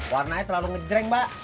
warnanya terlalu ngejreng mbak